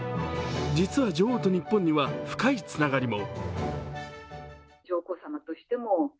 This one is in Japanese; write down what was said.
実は女王と日本には深いつながりも。